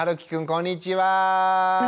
こんにちは。